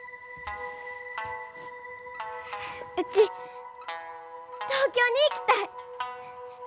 うち東京に行きたい！